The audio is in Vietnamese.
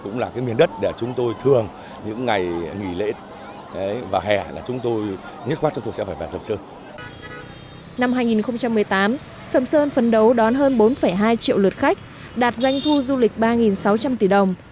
năm hai nghìn một mươi tám sầm sơn phấn đấu đón hơn bốn hai triệu lượt khách đạt doanh thu du lịch ba sáu trăm linh tỷ đồng